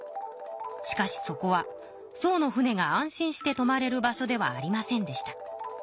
しかしそこは宋の船が安心してとまれる場所ではありませんでした。